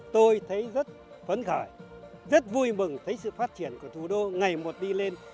tôi thấy rất phấn khởi rất vui mừng thấy sự phát triển của thủ đô ngày một đi lên